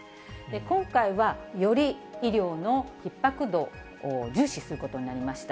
今回は、より医療のひっ迫度を重視することになりました。